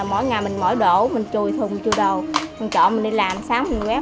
mỗi ngày mình mỏi đổ mình chùi thùng chùi đầu mình chọn mình đi làm sáng mình quét